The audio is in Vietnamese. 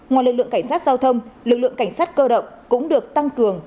ngoài lực lượng cảnh sát giao thông lực lượng cảnh sát cơ động cũng được tăng cường